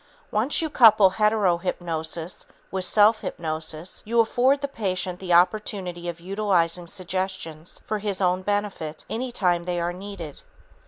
Once you couple hetero hypnosis with self hypnosis, you afford the patient the opportunity of utilizing suggestions for his own benefit any time they are needed.